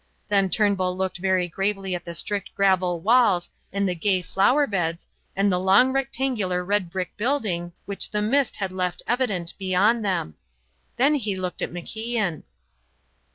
Then Turnbull looked very gravely at the strict gravel walls and the gay flower beds and the long rectangular red brick building, which the mist had left evident beyond them. Then he looked at MacIan.